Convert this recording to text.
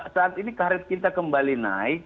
saat ini karir kita kembali naik